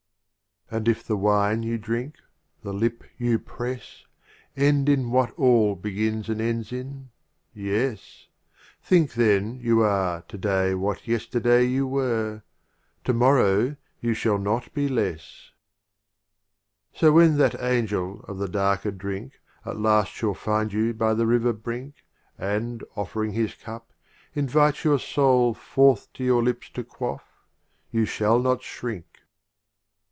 16 XLII. And if the Wine you drink, the RM y iy&t T . of Omar Lip you press, Khayy ^ m End in what All begins and ends in — Yes ; Think then you are To day what Yesterday You were — To morrow you shall not be less. XLIII. So when that Angel of the darker Drink At last shall find you by the river brink, And, offering his Cup, invite your Soul Forth to your Lips to quaff — you shall not shrink.